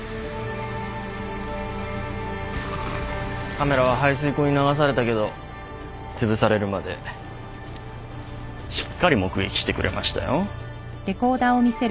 カメラは排水口に流されたけどつぶされるまでしっかり目撃してくれましたよ。